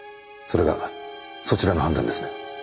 それがそちらの判断ですね？